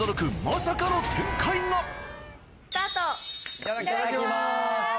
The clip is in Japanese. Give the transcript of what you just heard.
いただきます。